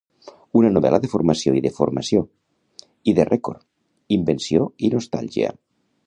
Una novel·la de formació i deformació, i de record, invenció i nostàlgia.